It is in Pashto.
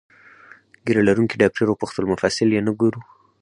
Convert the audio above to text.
ږیره لرونکي ډاکټر وپوښتل: مفصل یې نه ګورو؟